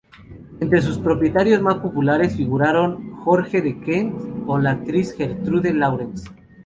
Entre sus propietarios más populares figuraron Jorge de Kent o la actriz Gertrude Lawrence.